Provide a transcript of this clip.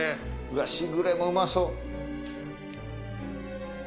しぐれもうまそう。